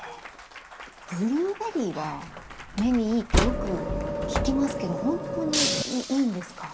ブルーベリーは目にいいってよく聞きますけど本当にいいんですか？